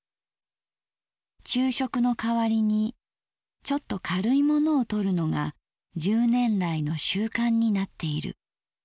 「昼食の代わりにちょっとかるいものをとるのが十年来の習慣になっている。